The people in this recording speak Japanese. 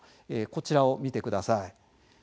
こちらを見てください。